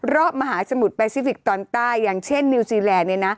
มหาสมุทรแปซิฟิกตอนใต้อย่างเช่นนิวซีแลนด์